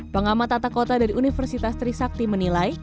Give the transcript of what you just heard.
pengamat atak kota dari universitas trisakti menilai